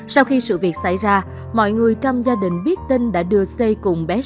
sau khi sự việc xảy ra mọi người trong gia đình biết tin đã đưa c cùng bé trai